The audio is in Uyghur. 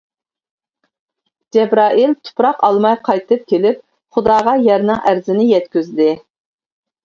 جەبرائىل تۇپراق ئالماي قايتىپ كېلىپ، خۇداغا يەرنىڭ ئەرزىنى يەتكۈزدى.